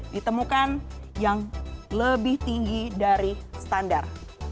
ditemukan yang lebih tinggi dari standar